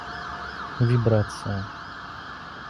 Вибрация